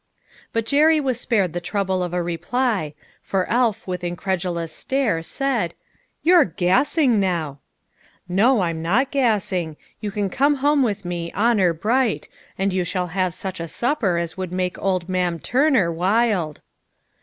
But Jerry was spared the trouble of a reply, for Alf with incredulous stare said, "You're gassing now." " No, I'm not gassing. You can come home with me, honor bright, and you shall have such a supper as would make old Ma'am Turner wild."